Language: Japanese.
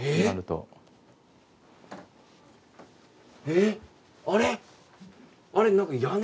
えっ？あれ？